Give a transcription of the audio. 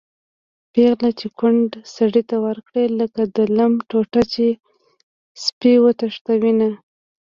پېغله چې کونډ سړي ته ورکړي-لکه د لم ټوټه چې سپی وتښتوېنه